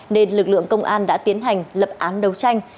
nên lực lượng công an đã tiến hành lập ám đấu tranh